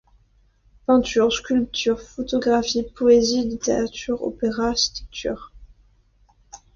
Peinture, sculpture, photographie, poésie, littérature, opéra, architecture...